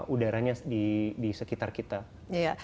udaranya di sekitar kita